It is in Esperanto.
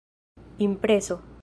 impreso